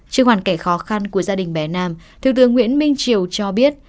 trên hoàn cảnh khó khăn của gia đình bé nam thiếu tướng nguyễn minh triều cho biết